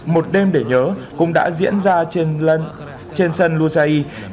một đêm để nhớ cũng đã diễn ra trên sân lusay